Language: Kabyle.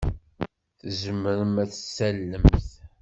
Tzemremt ad d-tallemt?